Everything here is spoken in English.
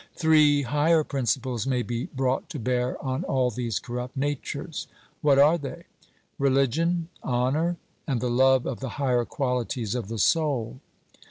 Three higher principles may be brought to bear on all these corrupt natures. 'What are they?' Religion, honour, and the love of the higher qualities of the soul.